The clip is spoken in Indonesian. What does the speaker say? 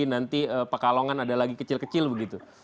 nanti pekalongan ada lagi kecil kecil begitu